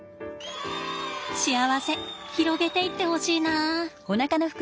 幸せ広げていってほしいな。